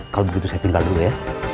kalau begitu saya tinggal dulu ya